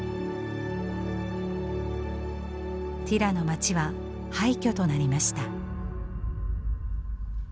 ティラの街は廃虚となりました。